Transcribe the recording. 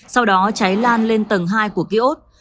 sau đó cháy lan lên tầng hai của ký ốt